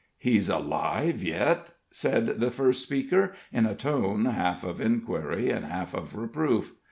"He's alive yit!" said the first speaker, in a tone half of inquiry and half of reproof.